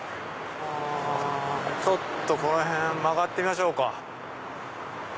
この辺曲がってみましょうか。